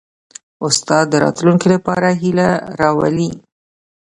استاد د راتلونکي لپاره هیله راولي.